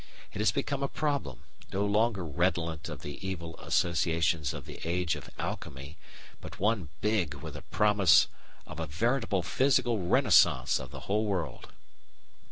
It has become a problem, no longer redolent of the evil associations of the age of alchemy, but one big with the promise of a veritable physical renaissance of the whole world.